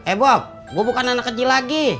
eh bob gue bukan anak kecil lagi